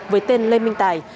với tên lê minh tài